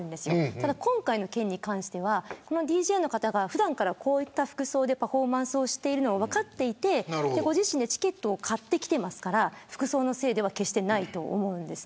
ただ、今回の件はＤＪの方が普段からこういう服装でパフォーマンスをしてるのを分かっていてご自身でチケットを買ってきてますから服装のせいではないと思います。